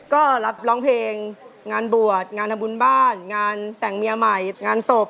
ก็รับร้องเพลงงานบวชงานทำบุญบ้านงานแต่งเมียใหม่งานศพ